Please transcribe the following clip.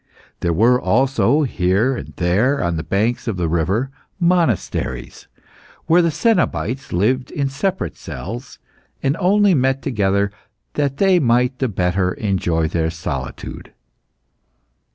There were also, here and there on the banks of the river, monasteries, where the cenobites lived in separate cells, and only met together that they might the better enjoy their solitude.